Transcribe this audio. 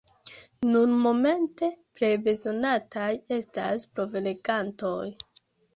Nunmomente plej bezonataj estas provlegantoj.